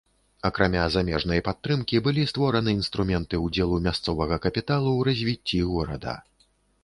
Акрамя замежнай падтрымкі былі створаны інструменты ўдзелу мясцовага капіталу ў развіцці горада.